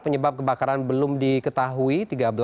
penyebab kebakaran belum diketahui